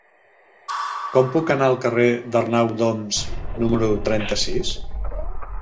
Com puc anar al carrer d'Arnau d'Oms número trenta-sis?